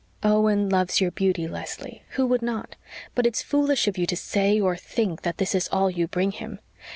"Owen loves your beauty, Leslie. Who would not? But it's foolish of you to say or think that that is all you bring him.